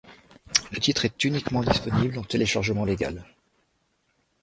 Le titre est uniquement disponible en téléchargement légal.